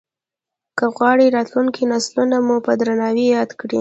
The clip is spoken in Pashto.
که غواړې راتلونکي نسلونه مو په درناوي ياد کړي.